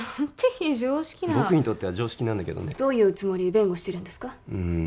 非常識な僕にとっては常識なんだけどねどういうおつもりで弁護してるんですか？